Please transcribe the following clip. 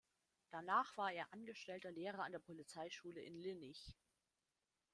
Danach war er angestellter Lehrer an der Polizeischule in Linnich.